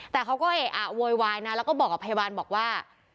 แต่เขาก็เอะอะโวยวายนะแล้วก็บอกกับพยาบาลบอกว่า